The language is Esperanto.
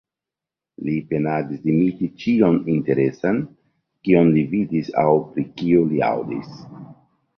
Li penadis imiti ĉion interesan, kion li vidis aŭ pri kio li aŭdis.